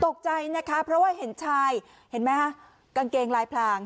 ตกใจนะคะเพราะว่าเห็นชายเห็นไหมฮะกางเกงลายพลาง